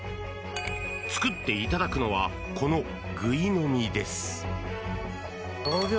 作っていただくのはこの、ぐいのみです。